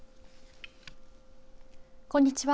こんにちは。